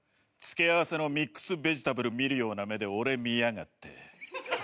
付け合わせのミックスベジタブル見るような目で俺見やがって。